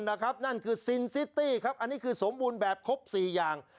นั่นคือซินซิตี้ครับอันนี้คือสมบูรณ์แบบครบ๔อย่าง